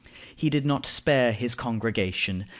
He did not spare his congregation.